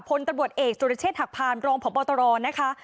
ผลตำรวจเอกโตรเชศทักภารรองพบตรนะคะ